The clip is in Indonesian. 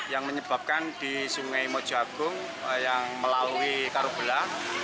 yang menyebabkan di sungai mojokerto yang melalui karubola